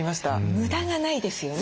無駄がないですよね。